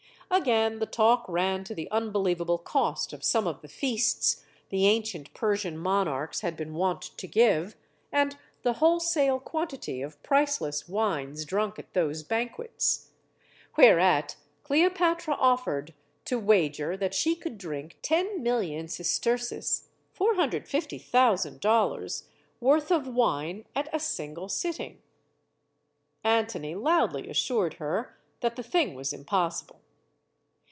Again, the talk ran to the unbelievable cost of some of the feasts the ancient Persian monarchs had been wont to give, and the wholesale quantity of priceless wines drunk at those banquets. Whereat, Cleopatra offered to wager that she could drink ten million ses terces ($450,000) worth of wine at a single sitting. Antony loudly assured her that the thing was im possible.